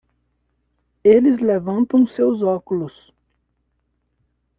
Eles levantam seus óculos.